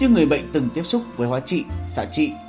như người bệnh từng tiếp xúc với hóa trị xạ trị